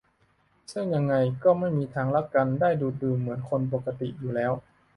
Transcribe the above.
ซึ่งยังไงก็ไม่มีทางรักกันได้ดูดดื่มเหมือนคนปกติอยู่แล้ว